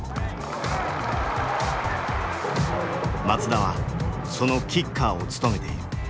松田はそのキッカーを務めている。